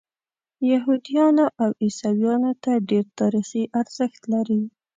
یهودیانو او عیسویانو ته ډېر تاریخي ارزښت لري.